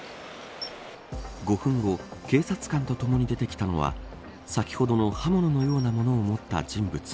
５分後、警察官とともに出てきたのは先ほどの刃物のようなものを持った人物。